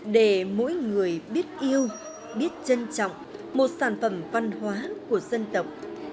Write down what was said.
để mỗi người biết yêu biết trân trọng một sản phẩm văn hóa của dân tộc